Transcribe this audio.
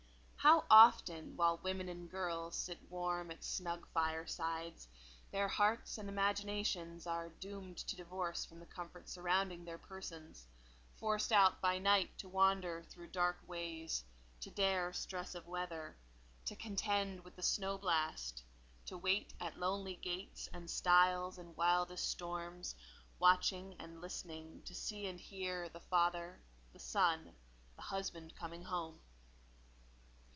How often, while women and girls sit warm at snug fire sides, their hearts and imaginations are doomed to divorce from the comfort surrounding their persons, forced out by night to wander through dark ways, to dare stress of weather, to contend with the snow blast, to wait at lonely gates and stiles in wildest storms, watching and listening to see and hear the father, the son, the husband coming home.